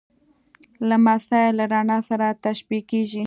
لمسی له رڼا سره تشبیه کېږي.